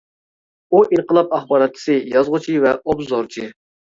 ئۇ ئىنقىلاب ئاخباراتچىسى، يازغۇچى ۋە ئوبزورچى.